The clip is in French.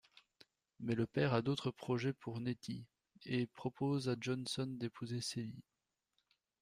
Mais le père a d'autres projets pour Nettie, et propose à Johnson d'épouser Celie.